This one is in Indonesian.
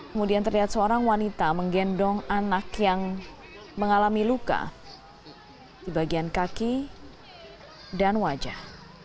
kemudian terlihat seorang wanita menggendong anak yang mengalami luka di bagian kaki dan wajah